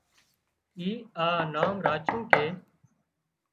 اي آ نام راڇون ڪي